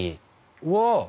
うわ！